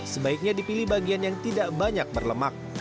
sebaiknya dipilih bagian yang tidak banyak berlemak